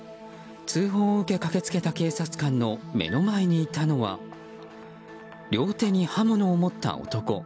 通報を受け、駆けつけた警察官の目の前にいたのは両手に刃物を持った男。